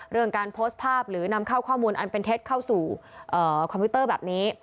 เรื่องการโพสต์ภาพหรือนำเข้าข้อมูลอันเป็นเท็จเข้าสู่คอมพิวเตอร์แบบนี้